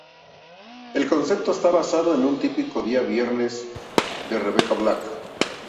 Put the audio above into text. El concepto está basado en un típico día viernes de Rebecca Black.